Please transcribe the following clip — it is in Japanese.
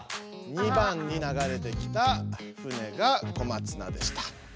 ２番に流れてきた船が小松菜でした。